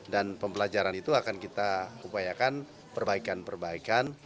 dan pembelajaran itu akan kita upayakan perbaikan perbaikan